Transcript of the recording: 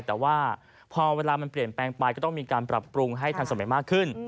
แต่ว่าพอเวลามันเปลี่ยนแปลงไปก็ต้องมีการปรับปรุงให้ทันสมัยมากขึ้น